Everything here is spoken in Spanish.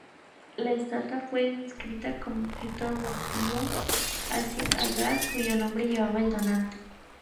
La estatua fue inscrita como objeto votivo hacia Hadad, cuyo nombre llevaba el donante.